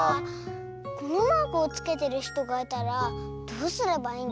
このマークをつけてるひとがいたらどうすればいいんですか？